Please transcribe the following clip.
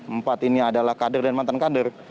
empat ini adalah kader dan mantan kader